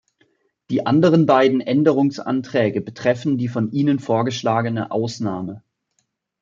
Die anderen beiden Änderungsanträge betreffen die von Ihnen vorgeschlagene Ausnahme.